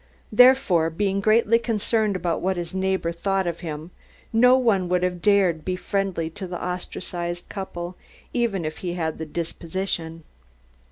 Therefore, being greatly concerned about what his neighbor thought of him, no one would have dared be friendly to the ostracized couple even if he had the disposition.